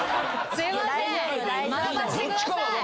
すいません。